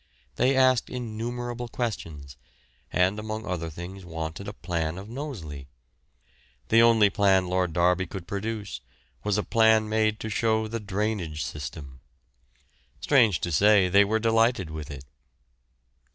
They asked innumerable questions, and among other things wanted a plan of Knowsley. The only plan Lord Derby could produce was a plan made to show the drainage system. Strange to say, they were delighted with it.